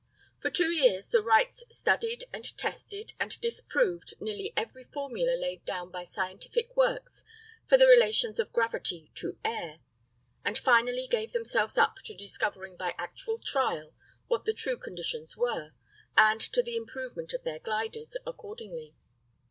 For two years the Wrights studied and tested and disproved nearly every formula laid down by scientific works for the relations of gravity to air, and finally gave themselves up to discovering by actual trial what the true conditions were, and to the improvement of their gliders accordingly.